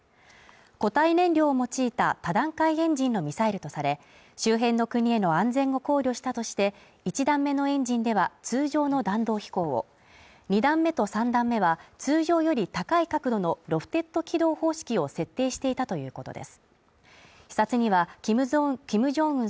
固体燃料を用いた多段階エンジンのミサイルとされ、周辺の国への安全を考慮したとして、１段目のエンジンでは、通常の弾道飛行を２段目と３段目は通常より高い角度のロフテッド軌道方式を設定していたということです。